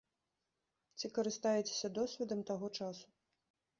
Ці карыстаецеся досведам таго часу.